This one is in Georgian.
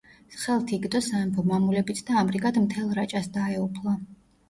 ხელთ იგდო სამეფო მამულებიც და ამრიგად მთელ რაჭას დაეუფლა.